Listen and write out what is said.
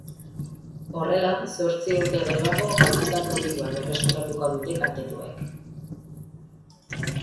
Horrela, zortzi urte geroago galdutako dirua berreskuratuko dute kaltetuek.